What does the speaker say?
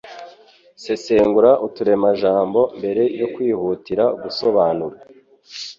sesengura uturemajambo mbere yo kwihutira gusobanura